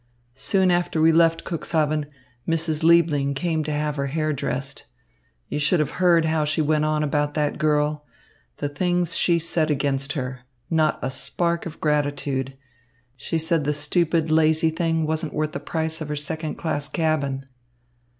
Soon after we left Cuxhaven, Mrs. Liebling came to have her hair dressed. You should have heard how she went on about that girl. The things she said against her. Not a spark of gratitude. She said the stupid, lazy thing wasn't worth the price of her second class cabin."